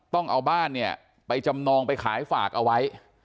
ต้องเอาบ้านเนี่ยไปจำนองไปขายฝากเอาไว้